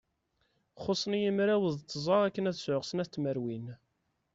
Xussen-iyi mraw d tẓa akken ad sɛuɣ snat tmerwin.